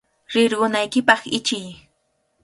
¡Rirqunaykipaq ichiy!